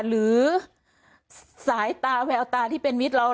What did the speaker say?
หรือสายตาแววตาที่เป็นมิตรเรา